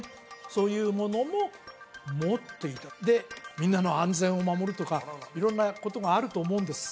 そういうものも持っていたでみんなの安全を守るとか色んなことがあると思うんです